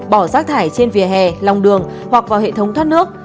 bỏ rác thải trên vỉa hè lòng đường hoặc vào hệ thống thoát nước